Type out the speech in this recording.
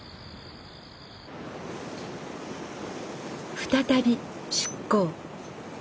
再び出航。